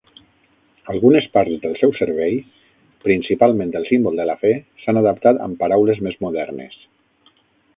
Algunes parts del seu servei, principalment el símbol de la fe, s"han adaptat amb paraules més modernes.